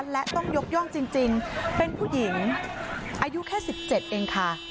และต้องยกย่องจริงเป็นผู้หญิงอายุแค่๑๗เองค่ะ